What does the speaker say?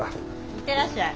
行ってらっしゃい。